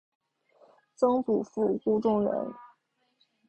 曾祖父顾仲仁。